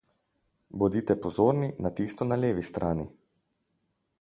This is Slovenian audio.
Bodite pozorni na tisto na levi strani.